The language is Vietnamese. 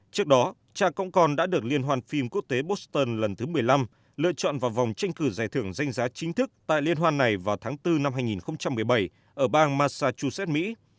trước đó cha cong con đã được liên hoan phim quốc tế boston lần thứ một mươi năm lựa chọn vào vòng tranh cử giải thưởng danh giá chính thức tại liên hoan này vào tháng bốn năm hai nghìn một mươi bảy ở bang massachusett mỹ